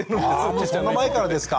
そんな前からですか。